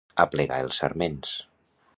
Arreplegar els sarments.